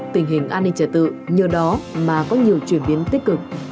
tình hình an ninh trật tự như đó mà có nhiều chuyển biến tích cực